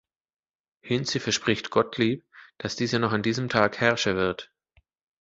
Hinze verspricht Gottlieb, dass dieser noch an diesem Tag Herrscher wird.